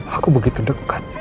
aku begitu dekat